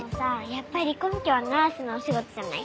やっぱり今期は『ナースのお仕事』じゃない？